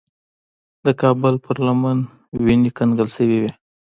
د کابل پر لمن کې وینې کنګل شوې وې.